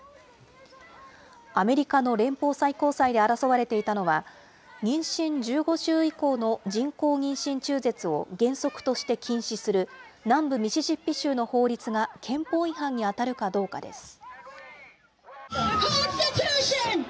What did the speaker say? アメリカの連邦最高裁で争われていたのは、妊娠１５週以降の人工妊娠中絶を原則として禁止する、南部ミシシッピ州の法律が憲法違反に当たるかどうかです。